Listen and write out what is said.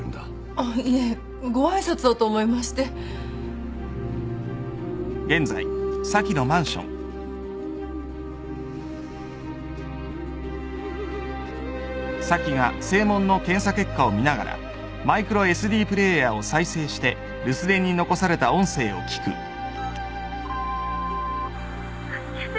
あっいえご挨拶をと思いまして助けて。